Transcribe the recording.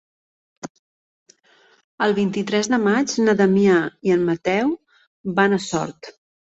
El vint-i-tres de maig na Damià i en Mateu van a Sort.